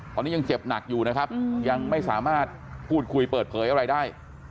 ตอนนี้ยังเจ็บหนักอยู่นะครับยังไม่สามารถพูดคุยเปิดเผยอะไรได้